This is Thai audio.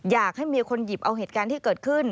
อยากให้มีคนหยิบเอาเหตุการณ์ที่เกิดขึ้น